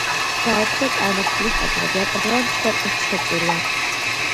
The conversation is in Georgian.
გააუქმა წარმართული ტაძრები, აკრძალა მსხვერპლთშეწირვა.